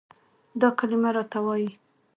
دا کلمه راته وايي،